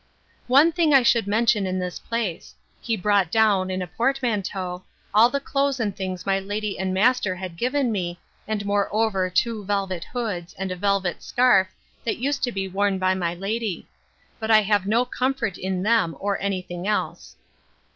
One thing I should mention in this place; he brought down, in a portmanteau, all the clothes and things my lady and master had given me, and moreover two velvet hoods, and a velvet scarf, that used to be worn by my lady; but I have no comfort in them, or any thing else.